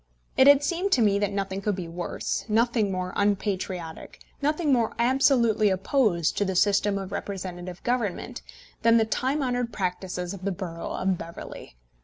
It had seemed to me that nothing could be worse, nothing more unpatriotic, nothing more absolutely opposed to the system of representative government, than the time honoured practices of the borough of Beverley.